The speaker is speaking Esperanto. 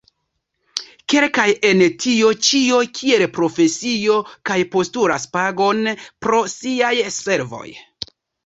Kelkaj en tio ĉio kiel profesio kaj postulas pagon pro siaj servoj.